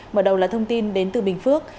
mở đầu là thông tin đến từ bình phước